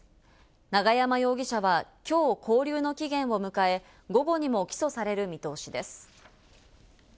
永山容疑者はきょう勾留の期限を迎え、午後にも起訴される見通しです。